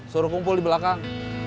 suruh kumpul di belakang